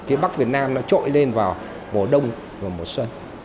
phía bắc việt nam nó trội lên vào mùa đông và mùa xuân